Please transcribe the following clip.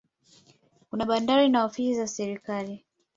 Kuna bandari na ofisi za serikali.